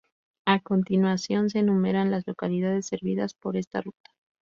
A continuación se enumeran las localidades servidas por esta ruta.